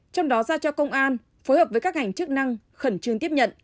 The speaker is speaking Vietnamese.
trong đó giao cho công an phối hợp với các ngành chức năng khẩn trương tiếp nhận